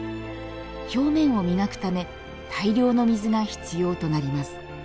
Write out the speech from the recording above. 表面を磨くため大量の水が必要となります。